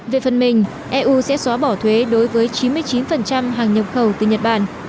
về phần mình eu sẽ xóa bỏ thuế đối với chín mươi chín hàng nhập khẩu từ nhật bản